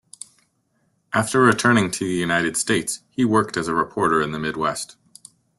After returning to the United States, he worked as a reporter in the Midwest.